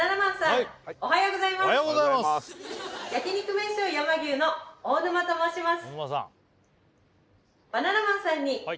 名匠山牛の大沼と申します